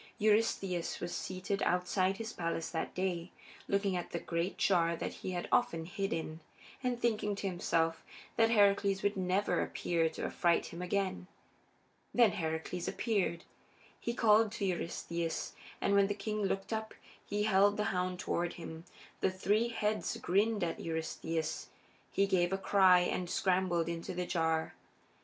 Eurystheus was seated outside his palace that day, looking at the great jar that he had often hidden in, and thinking to himself that Heracles would never appear to affright him again. Then Heracles appeared. He called to Eurystheus, and when the king looked up he held the hound toward him. The three heads grinned at Eurystheus; he gave a cry and scrambled into the jar.